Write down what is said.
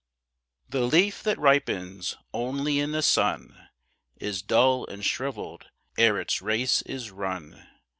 THE leaf that ripens only in the sun Is dull and shriveled ere its race is run.